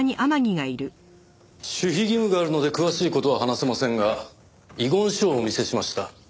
守秘義務があるので詳しい事は話せませんが遺言書をお見せしました。